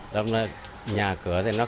đó là nhà cửa thì nó không có